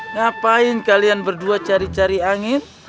ngapain kalian berdua cari cari angin